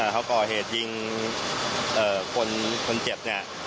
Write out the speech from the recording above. เขาก่อเหตุยิงคนเจ็บเนี่ย